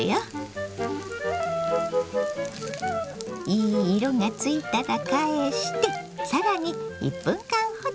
いい色がついたら返して更に１分間ほど焼きます。